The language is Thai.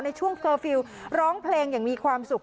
ในช่วงเคอร์ฟิลล์ร้องเพลงอย่างมีความสุข